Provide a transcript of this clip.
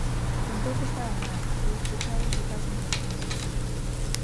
Contou que estaba mal, cos ollos pechados e case inconsciente.